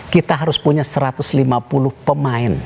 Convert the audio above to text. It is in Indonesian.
kita harus punya satu ratus lima puluh pemain